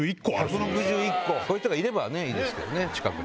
こういう人がいればいいですけどね近くに。